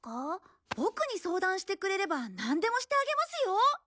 ボクに相談してくれればなんでもしてあげますよ。